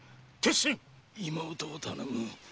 妹を頼む。